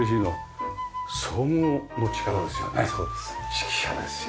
指揮者ですよ。